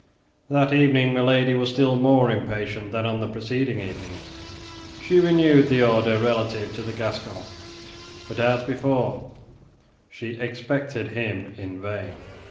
That evening Milady was still more impatient than on the preceding evening. She renewed the order relative to the Gascon; but as before she expected him in vain.